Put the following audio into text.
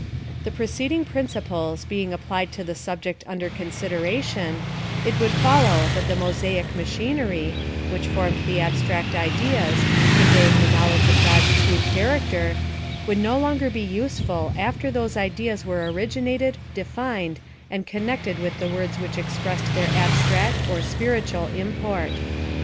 The preceding principles being applied to the subject under consideration, it would follow that the Mosaic machinery, which formed the abstract ideas, conveying the knowledge of God's true char acter, would no longer be useful after those ideas were originated, defined, and connected with the words which expressed their abstract or spiritual import.